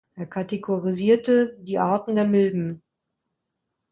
Er kategorisierte die Arten der Milben.